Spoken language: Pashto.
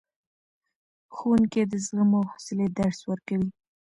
ښوونکي د زغم او حوصلې درس ورکوي.